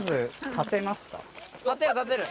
立てる立てる